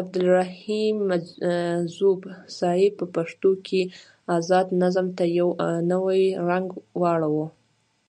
عبدالرحيم مجذوب صيب په پښتو کې ازاد نظم ته يو نوې رنګ راوړو.